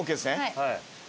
はい。